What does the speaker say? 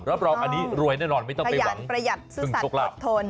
อันนี้รวยแน่นอนไม่ต้องไปหวังประหยัดประหยัดสู้สัตว์กดทน